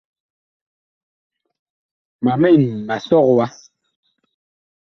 Ma mɛn ma sɔg wa.